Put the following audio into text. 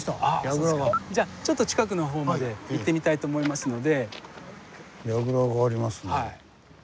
じゃちょっと近くの方まで行ってみたいと思いますので。